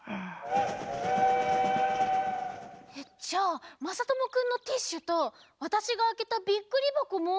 えっじゃあまさともくんのティッシュとわたしがあけたビックリばこも。